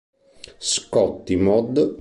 Scotti Mod.